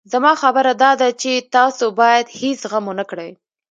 زما خبره داده چې تاسو بايد هېڅ غم ونه کړئ.